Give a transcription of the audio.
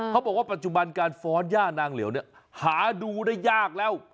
เขาบอกว่าปัจจุบันการฟ้อนย่านางเหลวเนี่ยหาดูได้ยากแล้ว